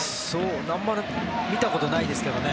あんまり見たことないですけどね